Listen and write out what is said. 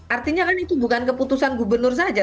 artinya kan itu bukan keputusan gubernur saja